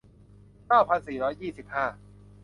เก้าพันสี่ร้อยสี่สิบห้า